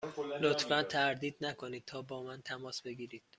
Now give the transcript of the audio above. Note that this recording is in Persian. لطفا تردید نکنید تا با من تماس بگیرید.